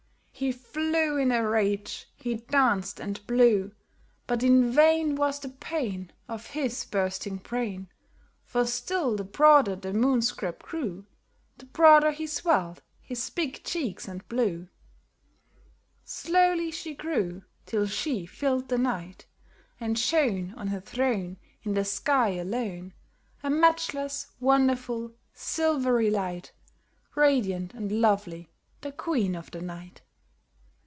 He flew in a rage he danced and blew; But in vain Was the pain Of his bursting brain; For still the broader the Moon scrap grew, The broader he swelled his big cheeks and blew. Slowly she grew till she filled the night, And shone On her throne In the sky alone, A matchless, wonderful, silvery light, Radiant and lovely, the Queen of the night.